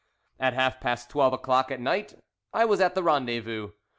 At half past twelve o'clock at night I was at the rendezvous.